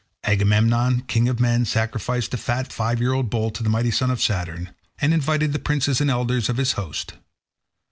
Agamemnon, king of men, sacrificed a fat five year old bull to the mighty son of Saturn, and invited the princes and elders of his host.